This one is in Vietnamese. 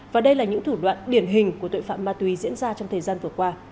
và đây là những thủ đoạn điển hình của tội phạm ma túy diễn ra trong thời gian vừa qua